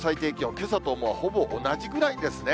けさともうほぼ同じぐらいですね。